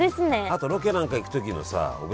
あとロケなんか行くときのさお